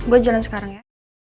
gue jalan sekarang ya